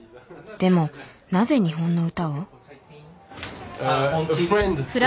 でもなぜ日本の歌を？